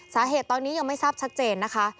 สาเหตุตอนนี้ยังไม่ทราบชัดเจนนะคะ